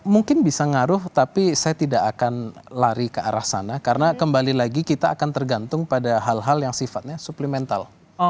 mungkin bisa ngaruh tapi saya tidak akan lari ke arah sana karena kembali lagi kita akan tergantung pada hal hal yang sifatnya suplemental